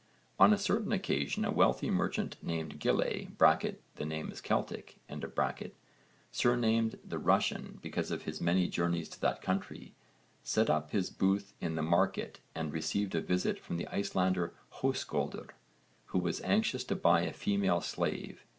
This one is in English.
On a certain occasion a wealthy merchant named Gille (the name is Celtic), surnamed the Russian because of his many journeys to that country, set up his booth in the market and received a visit from the Icelander Höskuldr who was anxious to buy a female slave.